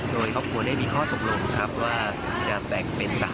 โดยครอบครัวได้มีข้อตกลงครับว่าจะแบ่งเป็น๓ส่วนด้วยกัน